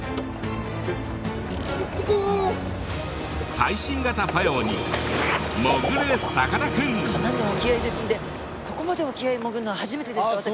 最新型パヤオにスタジオかなりの沖合ですのでここまで沖合に潜るのは初めてでした私も。